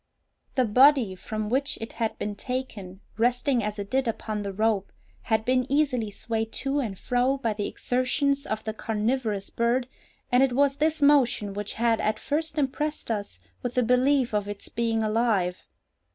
The body from which it had been taken, resting as it did upon the rope, had been easily swayed to and fro by the exertions of the carnivorous bird, and it was this motion which had at first impressed us with the belief of its being alive.